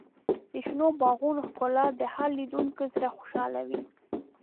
د شنو باغونو ښکلا د هر لیدونکي زړه خوشحالوي.